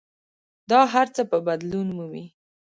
دا هر څه به بدلون مومي.